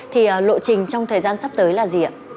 thì lộ trình trong thời gian sắp tới là gì ạ